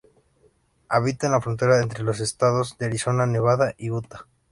Habita en la frontera entre los estados de Arizona, Nevada y Utah.